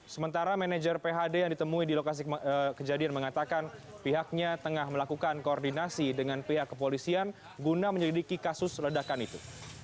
sementara manajer phd yang ditemui di lokasi kejadian mengatakan pihaknya tengah melakukan koordinasi dengan pihak kepolisian guna menyelidiki kasus ledakan itu